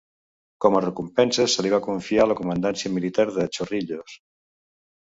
Com a recompensa, se li va confiar la comandància militar de Chorrillos.